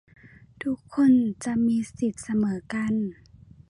ทุกคนจะมีสิทธิเสมอกัน